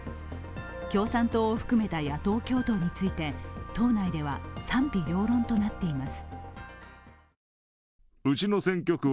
共産党を含めた野党共闘について党内では賛否両論となっています。